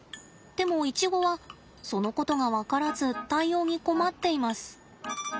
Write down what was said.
でもイチゴはそのことが分からず対応に困っています。